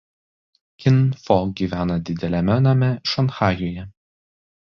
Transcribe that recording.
Kin Fo gyvena dideliame name Šanchajuje.